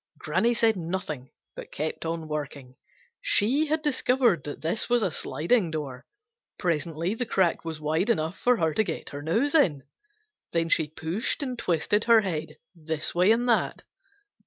Granny said nothing but kept on working. She had discovered that this was a sliding door. Presently the crack was wide enough for her to get her nose in. Then she pushed and twisted her head this way and that.